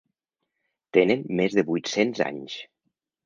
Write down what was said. Tenen més de vuit-cents anys!